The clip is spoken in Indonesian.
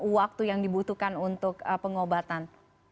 waktu yang dibutuhkan untuk pengobatan